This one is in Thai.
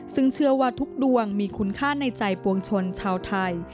ซึ่งเชื่อว่าทุกดวงมีคุณค่าในใจปวงชนชาวไทย